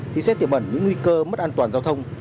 thì sẽ tiềm ẩn những nguy cơ mất an toàn giao thông